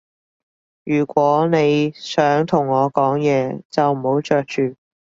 如果你想同我講嘢，就唔好嚼住